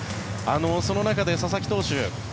その中で佐々木投手